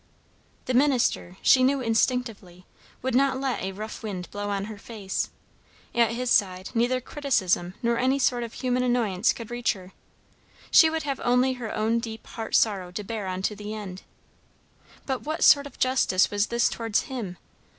The minister, she knew instinctively, would not let a rough wind blow on her face; at his side neither criticism nor any sort of human annoyance could reach her; she would have only her own deep heart sorrow to bear on to the end. But what sort of justice was this towards him?